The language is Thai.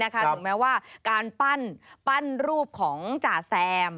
ถึงแม้ว่าการปั้นรูปของจ่าแซม